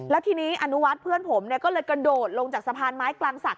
แล้วทีนี้อนุวัฒน์เพื่อนผมก็เลยกระโดดลงจากสะพานไม้กลางศักดิ